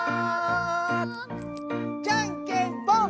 じゃんけんぽん！